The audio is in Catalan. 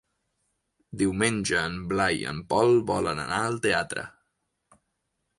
Diumenge en Blai i en Pol volen anar al teatre.